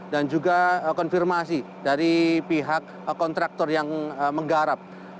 dan juga konfirmasi dari pihak kontraktor yang menggarap